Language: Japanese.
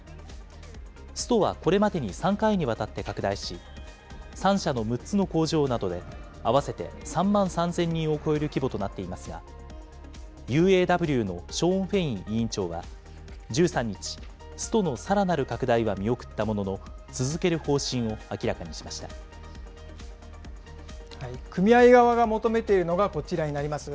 ストはこれまでに３回にわたって拡大し、３社の６つの工場などで、合わせて３万３０００人を超える規模となっていますが、ＵＡＷのショーン・フェイン委員長は、１３日、ストのさらなる拡大は見送ったものの、続ける方針を明らかにしま組合側が求めているのがこちらになります。